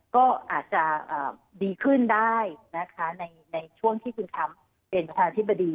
ก็อาจจะดีขึ้นได้นะคะในช่วงที่คุณค้ำเป็นประธานธิบดี